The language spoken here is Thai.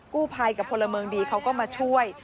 กู้ภัยกับพลเมืองดีเขาก็มาช่วย